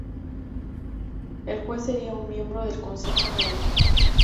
El juez sería un miembro del Consejo Real.